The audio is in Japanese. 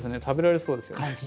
食べられそうですよね。